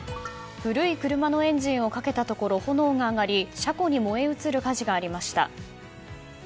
古い車のエンジンをかけたところ、炎が上がり車庫に燃え移る火事がありました。